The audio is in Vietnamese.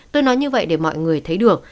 tôi nói như vậy để mọi người thấy được